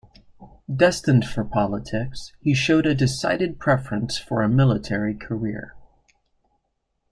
Destined for politics, he showed a decided preference for a military career.